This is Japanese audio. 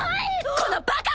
このバカ！